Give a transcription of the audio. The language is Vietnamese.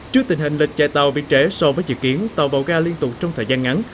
trước tình hình lịch chạy tàu biên chế so với dự kiến tàu bầu ga liên tục trong thời gian ngắn